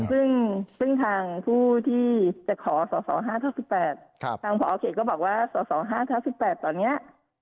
ซึ่งซึ่งทางผู้ที่จะขอส่อส่อห้าเท่าสิบแปดครับทางผอเขตก็บอกว่าส่อส่อห้าเท่าสิบแปดตอนเนี้ย